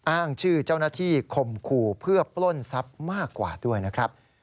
อ้างชื่อเจ้าหน้าที่คมคู่เพื่อปล้นทรัพย์มากกว่าด้วยนะครับ